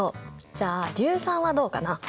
じゃあ硫酸はどうかな？